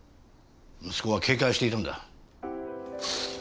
息子は警戒していたんだ。